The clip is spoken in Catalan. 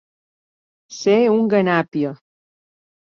Ser un ganàpia.